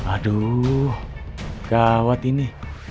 aduh gawat ini